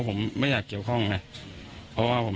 พวกนี้ครับ